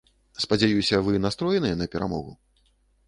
Спадзяюся, вы настроеныя на перамогу?